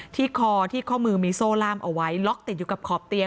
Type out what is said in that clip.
ที่คอที่ข้อมือมีโซ่ล่ามเอาไว้ล็อกติดอยู่กับขอบเตียง